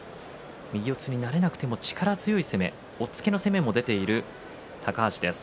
右四つになれなくても力強い攻め押っつける力も出ている高橋です。